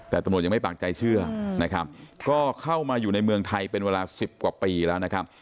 แต่ตำรวจยังไม่ปากใจเชื่อนะครับก็เข้ามาอยู่ในเมืองไทยเป็นเวลาสิบกว่าปีแล้วนะครับ